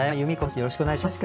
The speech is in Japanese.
よろしくお願いします。